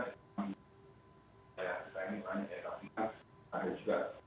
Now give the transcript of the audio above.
saya ingin mengingatkan juga bahwa